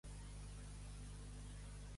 Els fets són mascles i les paraules femelles.